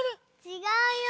ちがうよ。